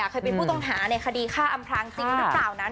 เคยเป็นผู้ต้องหาในคดีฆ่าอำพลางจริงหรือเปล่านั้น